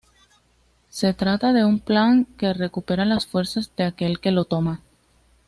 Se trata de un pan que recupera las fuerzas de aquel que lo toma.